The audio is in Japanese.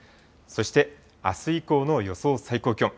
そしてあす以降の予想最高気温。